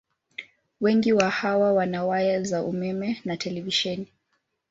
Wengi wa hawa wana waya za umeme na televisheni.